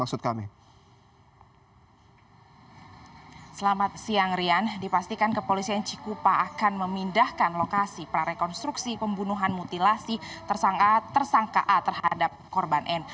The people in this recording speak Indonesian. selamat siang rian dipastikan kepolisian cikupa akan memindahkan lokasi prarekonstruksi pembunuhan mutilasi tersangka a terhadap korban n